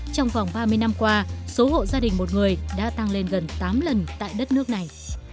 trong vòng ba mươi năm qua số hộ gia đình một người đã tăng lên gần tám lần tại đất nước này